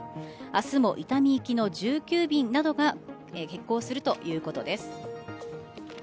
明日も伊丹行きの１９便などが欠航するということです。